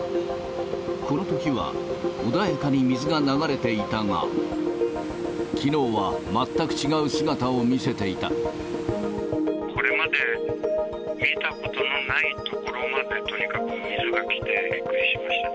このときは穏やかに水が流れていたが、これまで見たことのない所まで、とにかく水が来て、びっくりしましたね。